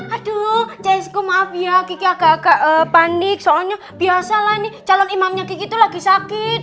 aduh ccq maaf ya kiki agak agak panik soalnya biasa lah nih calon imamnya gitu lagi sakit